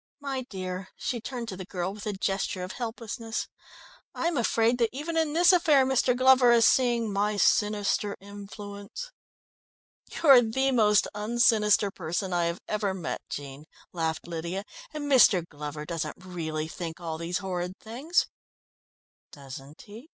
My dear," she turned to the girl with a gesture of helplessness. "I am afraid that even in this affair Mr. Glover is seeing my sinister influence!" "You're the most un sinister person I have ever met, Jean," laughed Lydia, "and Mr. Glover doesn't really think all these horrid things." "Doesn't he?"